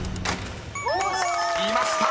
［いました。